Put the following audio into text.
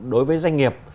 đối với doanh nghiệp